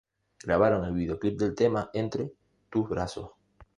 Grabaron el videoclip del tema "Entre tus brazos".